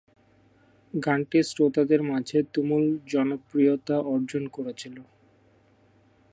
গানটি শ্রোতাদের মাঝে তুমুল জনপ্রিয়তা অর্জন করেছিল।